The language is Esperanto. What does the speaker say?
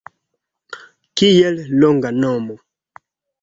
Kiel longa nomo